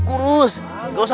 kurus gak usah diet